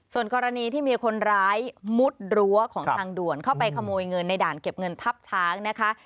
ส่วนกรณีที่มีคนร้ายมุดรั้วของทางด่วนเข้าไปขโมยเงินในด่านเก็บเงินทับช้างนะคะ